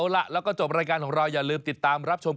แล้วรบบรรยายกันต่อ